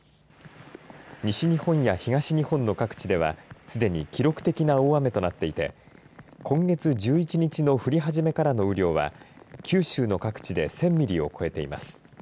西日本や東日本の各地ではすでに記録的な大雨となっていて今月１１日の降り始めからの雨量は九州の各地で１０００ミリを超えています。